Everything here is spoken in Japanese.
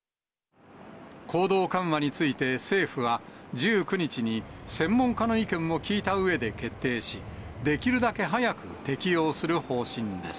行動緩和について政府は、１９日に専門家の意見を聞いたうえで決定し、できるだけ早く適用する方針です。